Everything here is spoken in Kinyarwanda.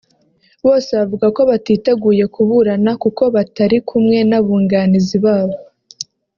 bose bavuga ko batiteguye kuburana kuko batari kumwe n’abunganizi babo